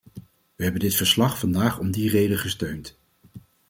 We hebben dit verslag vandaag om die reden gesteund.